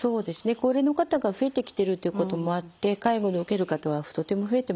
高齢の方が増えてきてるっていうこともあって介護を受ける方はとても増えてますよね。